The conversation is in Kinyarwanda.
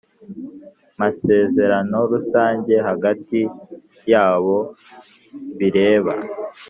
masezerano rusange hagati y abo bireba